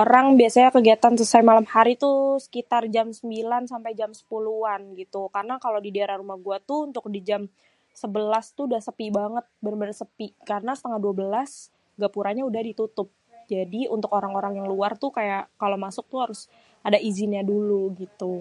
Orang biasanya kegiatan selesai malam hari tuh sekitar jam 9 sampai jam 10 an gitu, karna kalo di daerah rumah gua tuh untuk di jam 11 tuh dah sepi bangêt, benêr-benêr sépi, karna setengah 12 gapuranya udah ditutup, jadi untuk orang-orang luar tuh kaya kalo masuk tuh harus ada izinnya dulu, gitu.